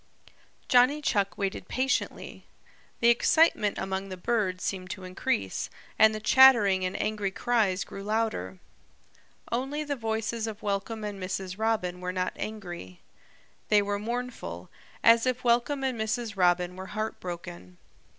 Johnny Chuck waited patiently. The excitement among the birds seemed to increase, and the chattering and angry cries grew louder. Only the voices of Welcome and Mrs. Robin were not angry. They were mournful, as if Welcome and Mrs. Robin were heartbroken.